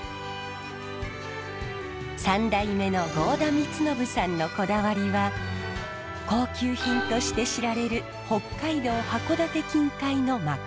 ３代目の郷田光伸さんのこだわりは高級品として知られる北海道函館近海の真昆布です。